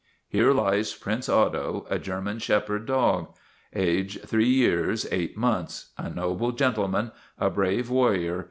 HERE LIES PRINCE OTTO A GERMAN SHEPHERD DOG JET. 3 YEARS, 8 MONTHS. A NOBLE GENTLEMAN. A BRAVE WARRIOR.